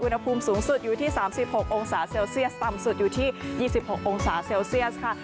อุณหภูมิสูงสุดอยู่ที่๓๖องศาเซลเซียสต่ำสุดอยู่ที่๒๖องศาเซลเซียสค่ะ